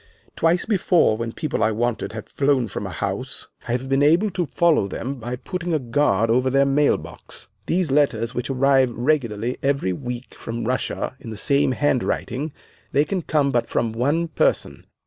'Twice before when people I wanted had flown from a house I have been able to follow them by putting a guard over their mail box. These letters, which arrive regularly every week from Russia in the same handwriting, they can come but from one person.